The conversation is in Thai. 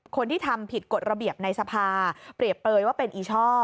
คนที่ทำผิดกฎระเบียบในสภาเปรียบเปลยว่าเป็นอีช่อ